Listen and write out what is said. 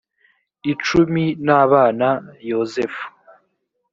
icumi nabana yozefu .